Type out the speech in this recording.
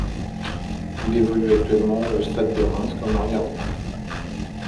Il évolue actuellement au Stade de Reims comme arrière droit.